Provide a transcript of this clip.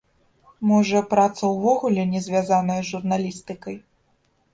Можа, праца ўвогуле не звязаная з журналістыкай?